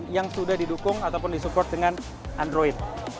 yang sudah didukung ataupun disupport dengan android